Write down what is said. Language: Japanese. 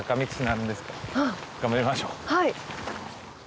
はい。